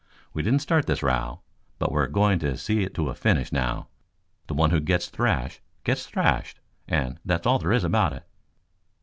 We didn't start this row, but we're going to see it to a finish now. The one who gets thrashed gets thrashed, and that's all there is about it."